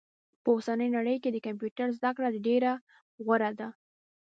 په اوسني نړئ کي د کمپيوټر زده کړه ډيره غوره ده